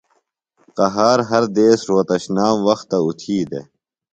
قہار ہر دیس روھوتشنام وختہ اُتھی دےۡ۔